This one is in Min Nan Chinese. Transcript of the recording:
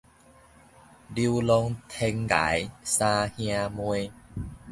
流浪天涯三兄妹